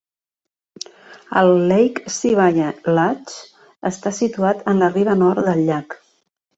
El Lake Sibaya Lodge està situat en la riba nord del llac.